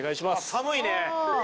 寒いね。